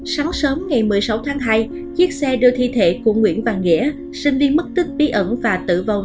sáng sớm ngày một mươi sáu tháng hai chiếc xe đưa thi thể của nguyễn văn nghĩa sinh viên mất tích bí ẩn và tử vong